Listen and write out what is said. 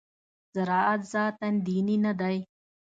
زراعت ذاتاً دیني نه دی.